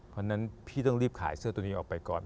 เพราะฉะนั้นพี่ต้องรีบขายเสื้อตัวนี้ออกไปก่อน